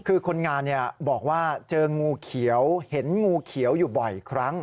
คือคนงานบอกว่าเจองูเขียวเห็นงูเขียวอยู่บ่อยครั้ง